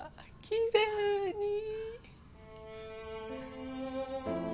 きれいに。